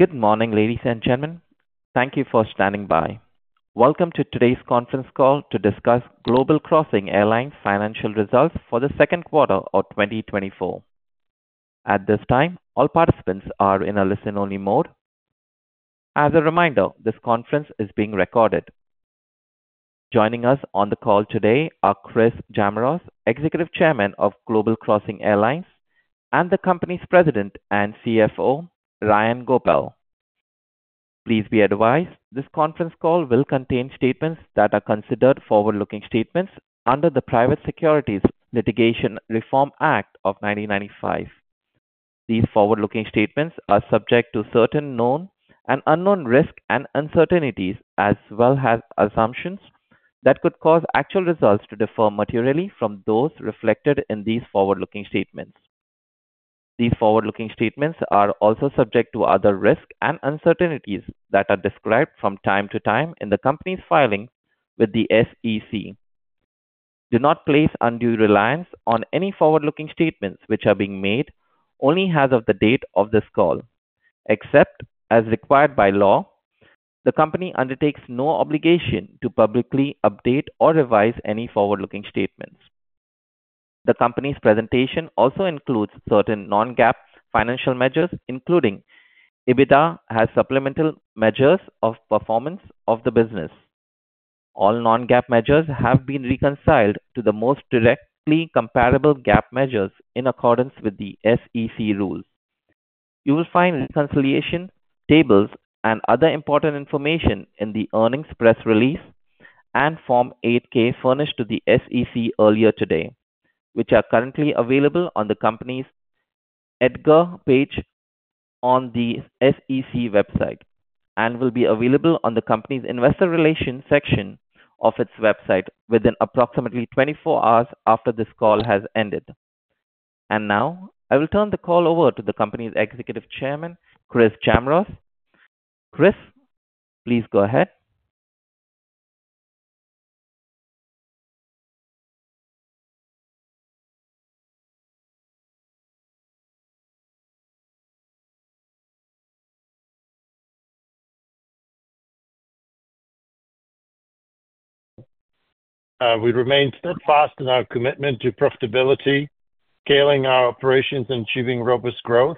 Good morning, ladies and gentlemen. Thank you for standing by. Welcome to today's conference call to discuss Global Crossing Airlines financial results for the second quarter of 2024. At this time, all participants are in a listen-only mode. As a reminder, this conference is being recorded. Joining us on the call today are Chris Jamroz, Executive Chairman of Global Crossing Airlines, and the company's President and CFO, Ryan Goepel. Please be advised, this conference call will contain statements that are considered forward-looking statements under the Private Securities Litigation Reform Act of 1995. These forward-looking statements are subject to certain known and unknown risks and uncertainties as well as assumptions that could cause actual results to differ materially from those reflected in these forward-looking statements. These forward-looking statements are also subject to other risks and uncertainties that are described from time to time in the company's filing with the SEC. Do not place undue reliance on any forward-looking statements, which are being made only as of the date of this call. Except as required by law, the company undertakes no obligation to publicly update or revise any forward-looking statements. The company's presentation also includes certain Non-GAAP financial measures, including EBITDA, as supplemental measures of performance of the business. All Non-GAAP measures have been reconciled to the most directly comparable GAAP measures in accordance with the SEC rules. You will find reconciliation tables and other important information in the earnings press release and Form 8-K furnished to the SEC earlier today, which are currently available on the company's EDGAR page on the SEC website and will be available on the company's Investor Relations section of its website within approximately 24 hours after this call has ended. And now, I will turn the call over to the company's Executive Chairman, Chris Jamroz. Chris, please go ahead. We remain steadfast in our commitment to profitability, scaling our operations, and achieving robust growth.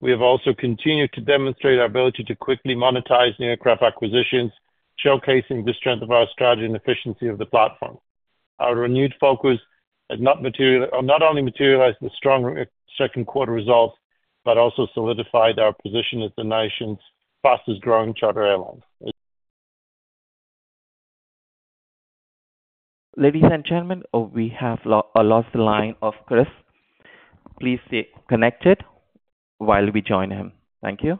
We have also continued to demonstrate our ability to quickly monetize new aircraft acquisitions, showcasing the strength of our strategy and efficiency of the platform. Our renewed focus has not only materialized the strong second quarter results, but also solidified our position as the nation's fastest growing charter airline. Ladies and gentlemen, we have lost the line of Chris. Please stay connected while we join him. Thank you.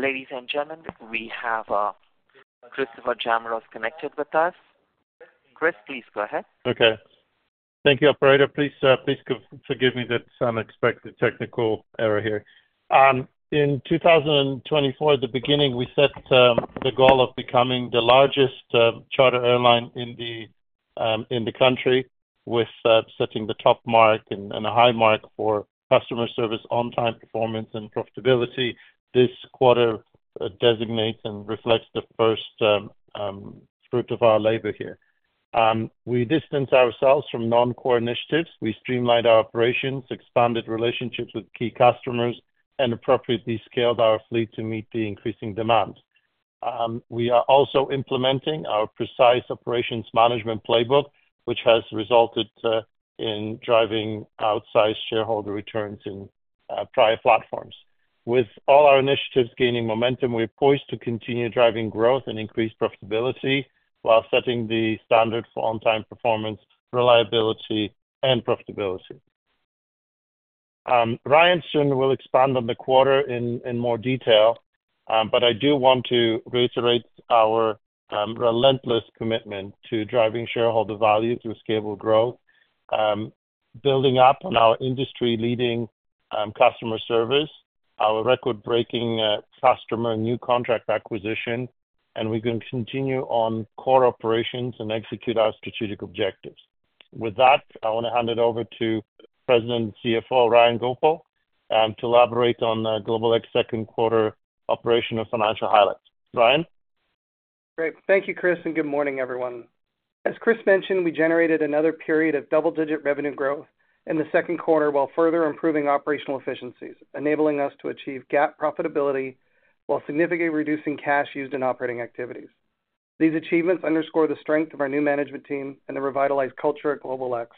Ladies and gentlemen, we have Christopher Jamroz connected with us. Chris, please go ahead. Okay. Thank you. Operator. Please, please forgive me. That's unexpected technical error here. In 2024, at the beginning, we set the goal of becoming the largest charter airline in the country with setting the top mark and, and a high mark for customer service, on-time performance, and profitability. This quarter designates and reflects the first fruit of our labor here. We distanced ourselves from non-core initiatives. We streamlined our operations, expanded relationships with key customers, and appropriately scaled our fleet to meet the increasing demands. We are also implementing our precise operations management playbook, which has resulted in driving outsized shareholder returns in prior platforms. With all our initiatives gaining momentum, we're poised to continue driving growth and increase profitability while setting the standard for on-time performance, reliability, and profitability. Ryan soon will expand on the quarter in more detail, but I do want to reiterate our relentless commitment to driving shareholder value through scalable growth, building up on our industry-leading customer service, our record-breaking customer new contract acquisition, and we're going to continue on core operations and execute our strategic objectives. With that, I want to hand it over to President and CFO, Ryan Goepel, to elaborate on the GlobalX second quarter operational financial highlights. Ryan? Great. Thank you, Chris, and good morning, everyone. As Chris mentioned, we generated another period of double-digit revenue growth in the second quarter, while further improving operational efficiencies, enabling us to achieve GAAP profitability while significantly reducing cash used in operating activities. These achievements underscore the strength of our new management team and the revitalized culture at GlobalX,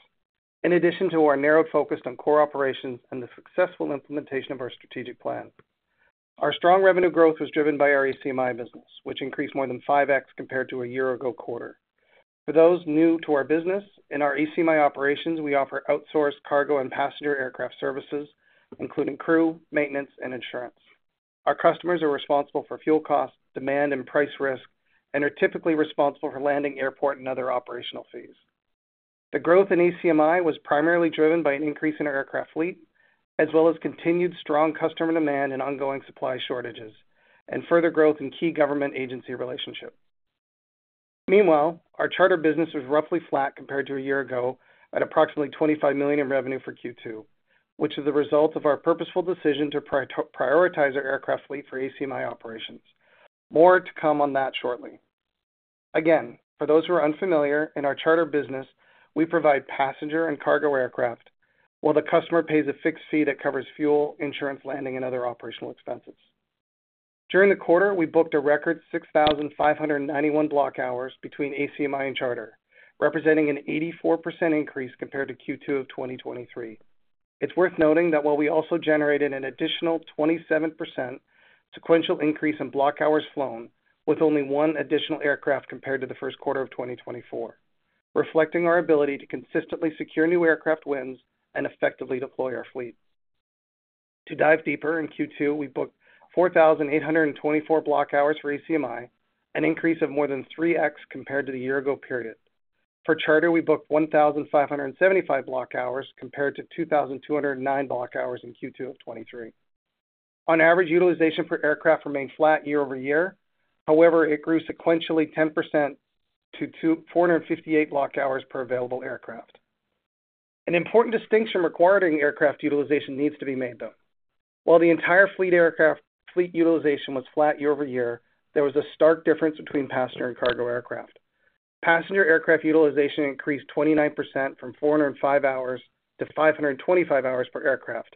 in addition to our narrowed focus on core operations and the successful implementation of our strategic plan. Our strong revenue growth was driven by our ACMI business, which increased more than 5x compared to a year-ago quarter. For those new to our business, in our ACMI operations, we offer outsourced cargo and passenger aircraft services, including crew, maintenance, and insurance. Our customers are responsible for fuel costs, demand, and price risk, and are typically responsible for landing, airport, and other operational fees. The growth in ACMI was primarily driven by an increase in our aircraft fleet, as well as continued strong customer demand and ongoing supply shortages, and further growth in key government agency relationships. Meanwhile, our charter business was roughly flat compared to a year ago, at approximately $25 million in revenue for Q2, which is the result of our purposeful decision to prioritize our aircraft fleet for ACMI operations. More to come on that shortly. Again, for those who are unfamiliar, in our charter business, we provide passenger and cargo aircraft, while the customer pays a fixed fee that covers fuel, insurance, landing, and other operational expenses. During the quarter, we booked a record 6,591 block hours between ACMI and charter, representing an 84% increase compared to Q2 of 2023. It's worth noting that while we also generated an additional 27% sequential increase in block hours flown, with only one additional aircraft compared to the first quarter of 2024, reflecting our ability to consistently secure new aircraft wins and effectively deploy our fleet. To dive deeper, in Q2, we booked 4,824 block hours for ACMI, an increase of more than 3x compared to the year ago period. For charter, we booked 1,575 block hours, compared to 2,209 block hours in Q2 of 2023. On average, utilization per aircraft remained flat year-over-year. However, it grew sequentially 10% to 248 block hours per available aircraft. An important distinction regarding aircraft utilization needs to be made, though. While the entire fleet utilization was flat year-over-year, there was a stark difference between passenger and cargo aircraft. Passenger aircraft utilization increased 29% from 405 hours to 525 hours per aircraft.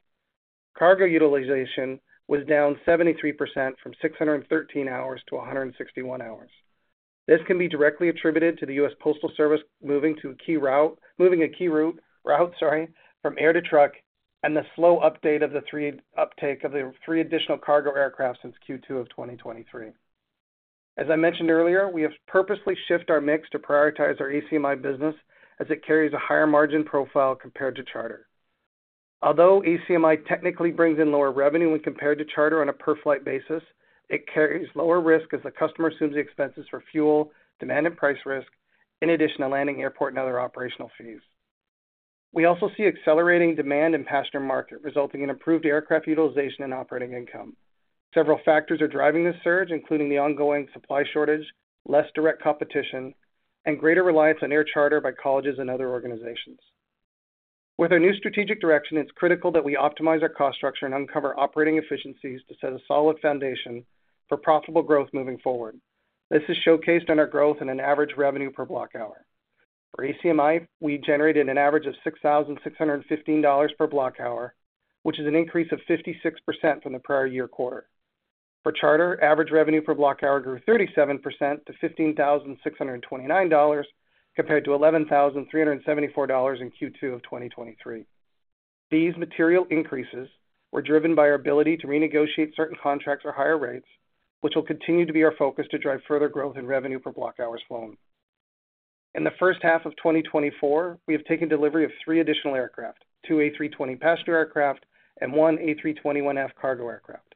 Cargo utilization was down 73% from 613 hours to 161 hours. This can be directly attributed to the U.S. Postal Service moving a key route from air to truck, and the slow uptake of the three additional cargo aircraft since Q2 of 2023. As I mentioned earlier, we have purposely shift our mix to prioritize our ACMI business as it carries a higher margin profile compared to charter. Although ACMI technically brings in lower revenue when compared to charter on a per-flight basis, it carries lower risk as the customer assumes the expenses for fuel, demand, and price risk, in addition to landing, airport, and other operational fees. We also see accelerating demand in passenger market, resulting in improved aircraft utilization and operating income. Several factors are driving this surge, including the ongoing supply shortage, less direct competition, and greater reliance on air charter by colleges and other organizations. With our new strategic direction, it's critical that we optimize our cost structure and uncover operating efficiencies to set a solid foundation for profitable growth moving forward. This is showcased in our growth in an average revenue per block hour. For ACMI, we generated an average of $6,615 per block hour, which is an increase of 56% from the prior year quarter. For charter, average revenue per block hour grew 37% to $15,629, compared to $11,374 in Q2 of 2023. These material increases were driven by our ability to renegotiate certain contracts or higher rates, which will continue to be our focus to drive further growth in revenue per block hours flown. In the first half of 2024, we have taken delivery of 3 additional aircraft, 2 A320 passenger aircraft and 1 A321F cargo aircraft.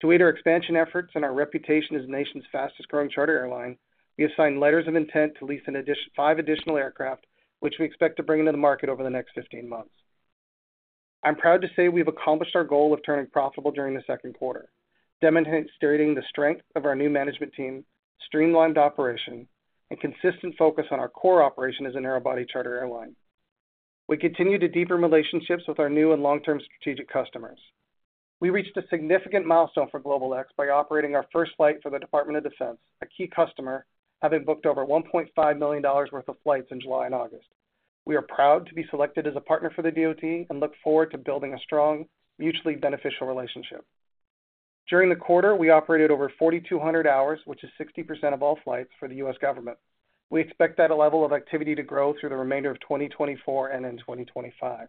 To aid our expansion efforts and our reputation as the nation's fastest growing charter airline, we have signed letters of intent to lease five additional aircraft, which we expect to bring into the market over the next 15 months. I'm proud to say we've accomplished our goal of turning profitable during the second quarter, demonstrating the strength of our new management team, streamlined operation, and consistent focus on our core operation as a narrow-body charter airline. We continue to deepen relationships with our new and long-term strategic customers. We reached a significant milestone for GlobalX by operating our first flight for the Department of Defense, a key customer, having booked over $1.5 million worth of flights in July and August. We are proud to be selected as a partner for the DoD and look forward to building a strong, mutually beneficial relationship. During the quarter, we operated over 4,200 hours, which is 60% of all flights for the U.S. government. We expect that level of activity to grow through the remainder of 2024 and in 2025.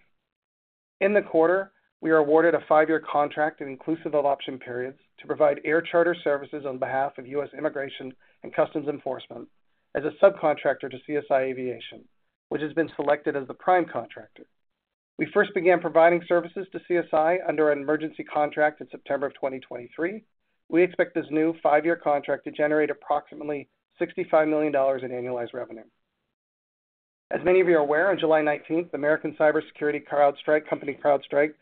In the quarter, we are awarded a 5-year contract and inclusive of option periods to provide air charter services on behalf of U.S. Immigration and Customs Enforcement as a subcontractor to CSI Aviation, which has been selected as the prime contractor. We first began providing services to CSI under an emergency contract in September 2023. We expect this new 5-year contract to generate approximately $65 million in annualized revenue. As many of you are aware, on July 19, the American cybersecurity company, CrowdStrike,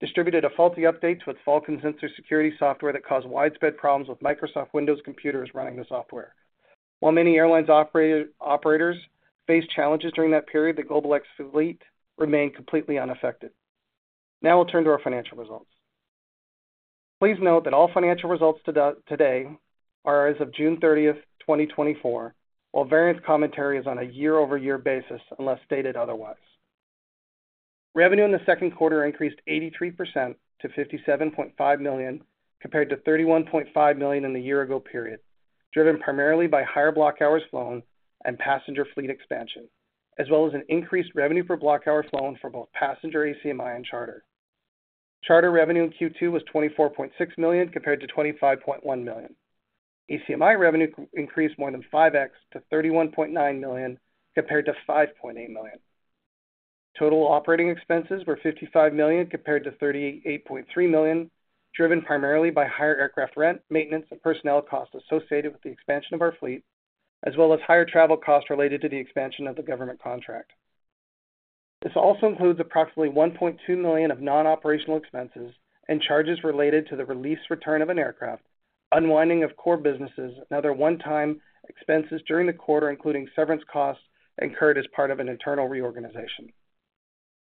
distributed a faulty update to its Falcon sensor security software that caused widespread problems with Microsoft Windows computers running the software. While many airlines operators faced challenges during that period, the GlobalX fleet remained completely unaffected. Now we'll turn to our financial results. Please note that all financial results today are as of June 30, 2024, while variance commentary is on a year-over-year basis, unless stated otherwise. Revenue in the second quarter increased 83% to $57.5 million, compared to $31.5 million in the year ago period, driven primarily by higher block hours flown and passenger fleet expansion, as well as an increased revenue per block hour flown for both passenger ACMI and charter. Charter revenue in Q2 was $24.6 million compared to $25.1 million. ACMI revenue increased more than 5x to $31.9 million, compared to $5.8 million. Total operating expenses were $55 million compared to $38.3 million, driven primarily by higher aircraft rent, maintenance, and personnel costs associated with the expansion of our fleet, as well as higher travel costs related to the expansion of the government contract. This also includes approximately $1.2 million of non-operational expenses and charges related to the lease return of an aircraft, unwinding of core businesses, and other one-time expenses during the quarter, including severance costs incurred as part of an internal reorganization.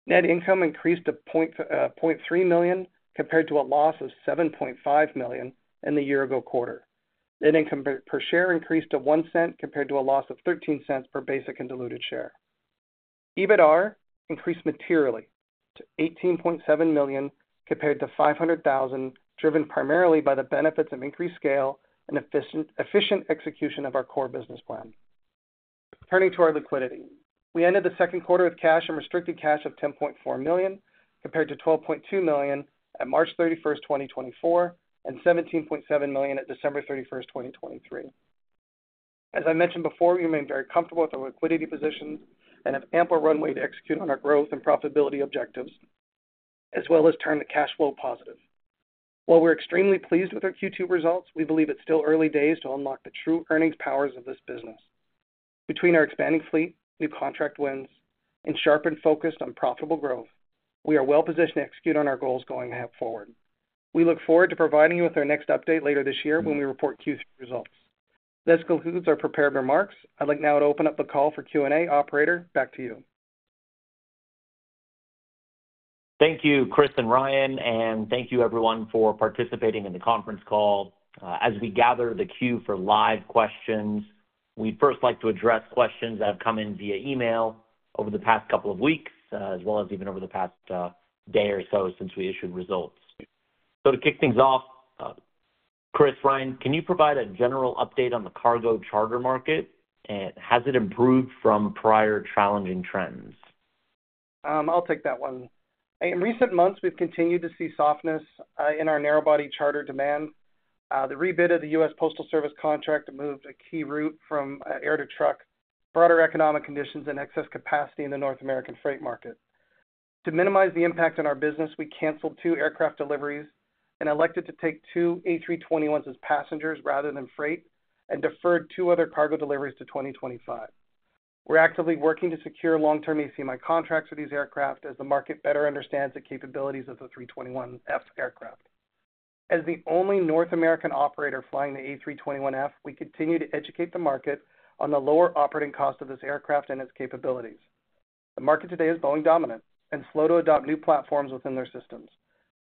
Net income increased to $0.3 million, compared to a loss of $7.5 million in the year ago quarter. Net income per share increased to $0.01, compared to a loss of $0.13 per basic and diluted share. EBITDA increased materially to $18.7 million, compared to $500,000, driven primarily by the benefits of increased scale and efficient, efficient execution of our core business plan. Turning to our liquidity. We ended the second quarter with cash and restricted cash of $10.4 million, compared to $12.2 million on March 31, 2024, and $17.7 million at December 31, 2023. As I mentioned before, we remain very comfortable with our liquidity position and have ample runway to execute on our growth and profitability objectives, as well as turn the cash flow positive. While we're extremely pleased with our Q2 results, we believe it's still early days to unlock the true earnings powers of this business. Between our expanding fleet, new contract wins, and sharpened focus on profitable growth, we are well positioned to execute on our goals going ahead forward. We look forward to providing you with our next update later this year when we report Q3 results. This concludes our prepared remarks. I'd like now to open up the call for Q&A. Operator, back to you. Thank you, Chris and Ryan, and thank you everyone for participating in the conference call. As we gather the queue for live questions, we'd first like to address questions that have come in via email over the past couple of weeks, as well as even over the past day or so since we issued results. So to kick things off, Chris, Ryan, can you provide a general update on the cargo charter market? And has it improved from prior challenging trends? I'll take that one. In recent months, we've continued to see softness in our narrow body charter demand. The rebid of the U.S. Postal Service contract moved a key route from air to truck, broader economic conditions, and excess capacity in the North American freight market. To minimize the impact on our business, we canceled two aircraft deliveries and elected to take two A321s as passengers rather than freight and deferred two other cargo deliveries to 2025. We're actively working to secure long-term ACMI contracts for these aircraft as the market better understands the capabilities of the A321F aircraft. As the only North American operator flying the A321F, we continue to educate the market on the lower operating cost of this aircraft and its capabilities. The market today is Boeing dominant and slow to adopt new platforms within their systems.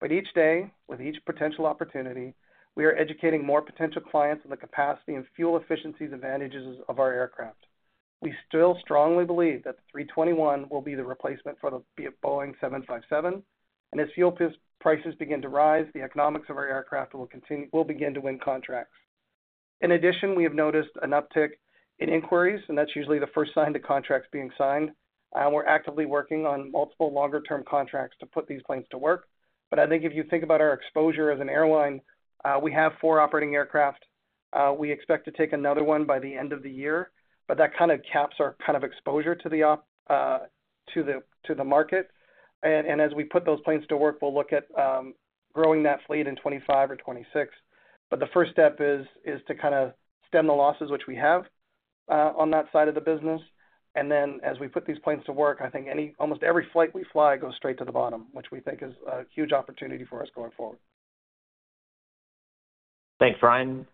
But each day, with each potential opportunity, we are educating more potential clients on the capacity and fuel efficiency advantages of our aircraft. We still strongly believe that the 321 will be the replacement for the Boeing 757, and as fuel prices begin to rise, the economics of our aircraft will continue, we'll begin to win contracts. In addition, we have noticed an uptick in inquiries, and that's usually the first sign of contracts being signed. We're actively working on multiple longer-term contracts to put these planes to work. But I think if you think about our exposure as an airline, we have four operating aircraft. We expect to take another one by the end of the year, but that kind of caps our kind of exposure to the market. As we put those planes to work, we'll look at growing that fleet in 2025 or 2026. But the first step is to kind of stem the losses which we have on that side of the business. And then, as we put these planes to work, I think almost every flight we fly goes straight to the bottom, which we think is a huge opportunity for us going forward. Thanks, Ryan.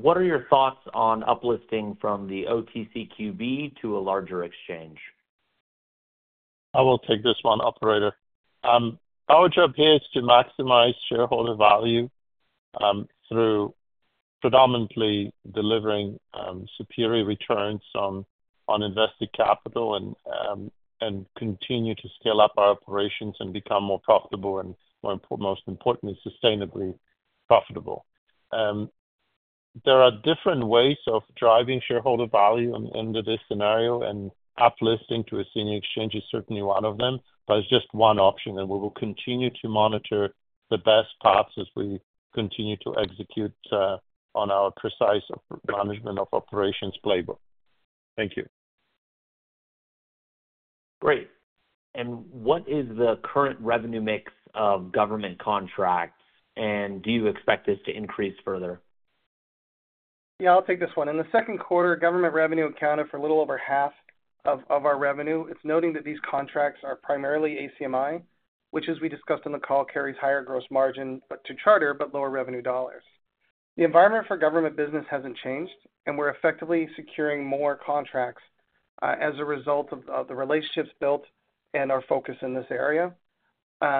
What are your thoughts on uplisting from the OTCQB to a larger exchange? I will take this one, operator. Our job here is to maximize shareholder value through predominantly delivering superior returns on invested capital and continue to scale up our operations and become more profitable, and most importantly, sustainably profitable. There are different ways of driving shareholder value under this scenario, and uplisting to a senior exchange is certainly one of them, but it's just one option, and we will continue to monitor the best paths as we continue to execute on our precise management of operations playbook. Thank you. ... Great. And what is the current revenue mix of government contracts, and do you expect this to increase further? Yeah, I'll take this one. In the second quarter, government revenue accounted for a little over half of our revenue. It's noting that these contracts are primarily ACMI, which, as we discussed on the call, carries higher gross margin, but to charter, but lower revenue dollars. The environment for government business hasn't changed, and we're effectively securing more contracts as a result of the relationships built and our focus in this area.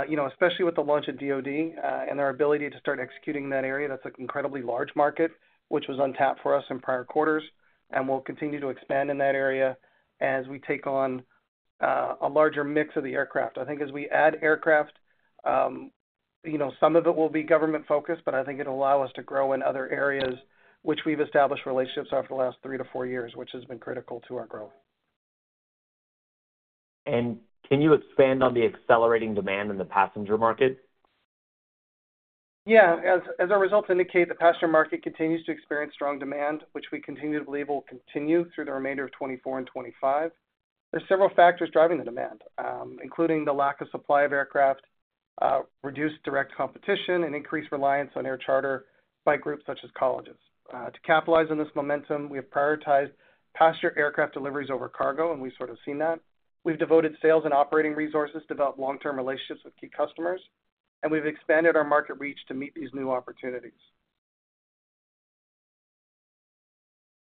You know, especially with the launch of DoD and our ability to start executing in that area, that's an incredibly large market, which was untapped for us in prior quarters, and we'll continue to expand in that area as we take on a larger mix of the aircraft. I think as we add aircraft, you know, some of it will be government-focused, but I think it'll allow us to grow in other areas which we've established relationships over the last 3-4 years, which has been critical to our growth. Can you expand on the accelerating demand in the passenger market? Yeah. As our results indicate, the passenger market continues to experience strong demand, which we continue to believe will continue through the remainder of 2024 and 2025. There's several factors driving the demand, including the lack of supply of aircraft, reduced direct competition, and increased reliance on air charter by groups such as colleges. To capitalize on this momentum, we have prioritized passenger aircraft deliveries over cargo, and we've sort of seen that. We've devoted sales and operating resources to develop long-term relationships with key customers, and we've expanded our market reach to meet these new opportunities.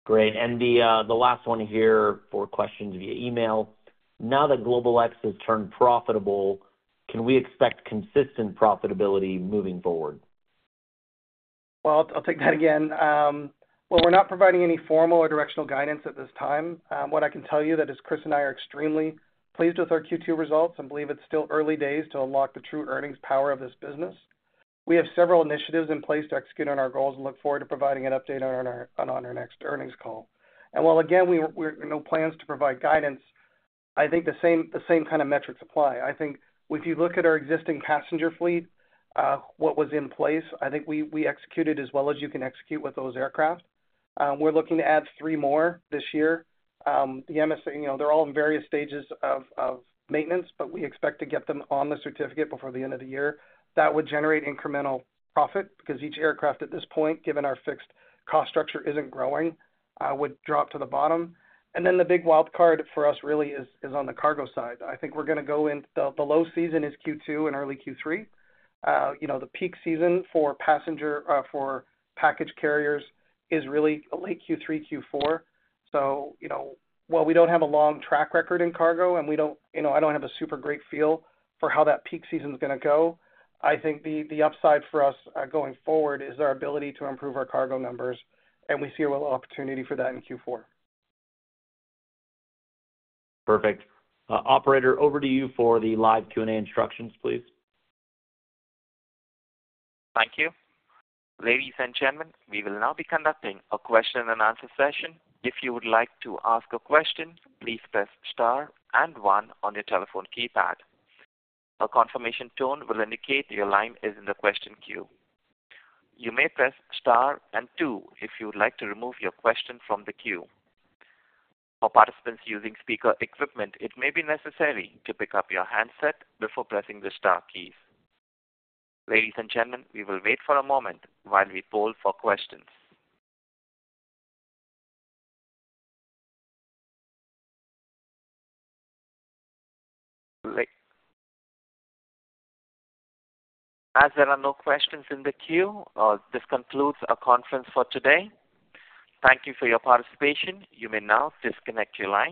Great. The last one here for questions via email. Now that GlobalX has turned profitable, can we expect consistent profitability moving forward? Well, I'll take that again. Well, we're not providing any formal or directional guidance at this time. What I can tell you is that Chris and I are extremely pleased with our Q2 results and believe it's still early days to unlock the true earnings power of this business. We have several initiatives in place to execute on our goals and look forward to providing an update on our next earnings call. While, again, we have no plans to provide guidance, I think the same kind of metrics apply. I think if you look at our existing passenger fleet, what was in place, I think we executed as well as you can execute with those aircraft. We're looking to add 3 more this year. you know, they're all in various stages of maintenance, but we expect to get them on the certificate before the end of the year. That would generate incremental profit, because each aircraft at this point, given our fixed cost structure, isn't growing, would drop to the bottom. And then the big wild card for us really is on the cargo side. I think we're gonna go in... The low season is Q2 and early Q3. you know, the peak season for passenger, for package carriers is really late Q3, Q4. So, you know, while we don't have a long track record in cargo, and we don't—you know, I don't have a super great feel for how that peak season's gonna go, I think the upside for us, going forward, is our ability to improve our cargo numbers, and we see a little opportunity for that in Q4. Perfect. Operator, over to you for the live Q&A instructions, please. Thank you. Ladies and gentlemen, we will now be conducting a question-and-answer session. If you would like to ask a question, please press star and one on your telephone keypad. A confirmation tone will indicate your line is in the question queue. You may press star and two if you would like to remove your question from the queue. For participants using speaker equipment, it may be necessary to pick up your handset before pressing the star key. Ladies and gentlemen, we will wait for a moment while we poll for questions. As there are no questions in the queue, this concludes our conference for today. Thank you for your participation. You may now disconnect your line.